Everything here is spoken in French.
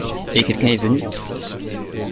Et quelqu’un est venu ?